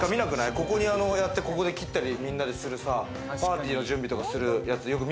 ここでやって、ここで切ったり、みんなでするさ、パーティーの準備とかする。